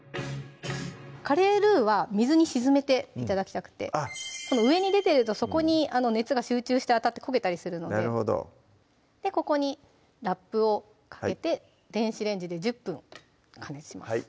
カレールウは水に沈めて頂きたくて上に出てるとそこに熱が集中して当たって焦げたりするのでここにラップをかけて電子レンジで１０分加熱します